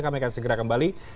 kami akan segera kembali